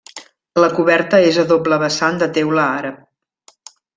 La coberta és a doble vessant de teula àrab.